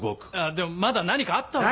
でもまだ何かあったわけじゃ。